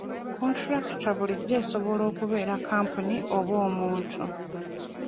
Kontulakita bulijjo esobola okubeera kampuni oba omuntu.